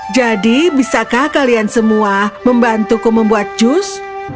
bisakah kalian semua membantuku membuat jus